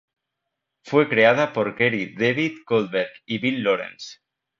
Fue creada por Gary David Goldberg y Bill Lawrence.